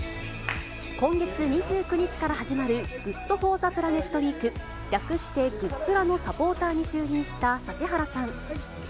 今月２９日から始まるグッド・フォー・ザ・プラネットウィーク、略してグップラのサポーターに就任した指原さん。